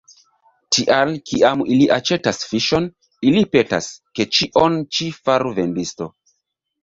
Tial, kiam ili aĉetas fiŝon, ili petas, ke ĉion ĉi faru vendisto.